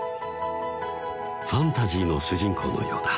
ファンタジーの主人公のようだ